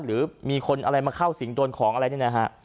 หรือมีคนอะไรมาเข้าสิ่งโดนของอะไรนี่นะฮะ